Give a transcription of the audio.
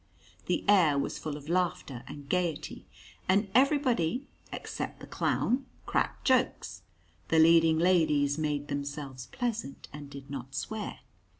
The air was full of laughter and gaiety, and everybody (except the clown) cracked jokes. The leading ladies made themselves pleasant, and did not swear.